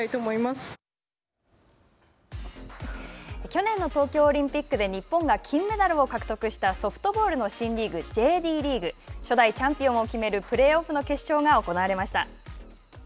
去年の東京オリンピックで日本が金メダルを獲得したソフトボールの新リーグＪＤリーグ。初代チャンピオンを決めるプレーオフの決勝が行われました。